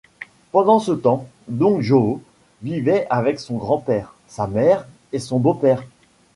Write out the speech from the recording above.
Pendant ce temps, Dong-joo vivait avec son grand-père, sa mère et son beau-père.